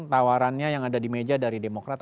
tawarannya yang ada di meja dari demokrat